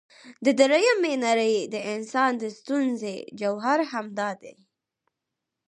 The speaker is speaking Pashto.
د درېمې نړۍ د انسان د ستونزې جوهر همدا دی.